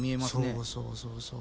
そうそうそうそう。